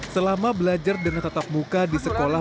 selama belajar dengan tatap muka di sekolah